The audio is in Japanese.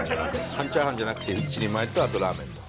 半チャーハンじゃなくて１人前とあとラーメンで。